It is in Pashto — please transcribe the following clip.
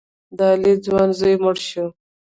د علي ځوان زوی مړ شو.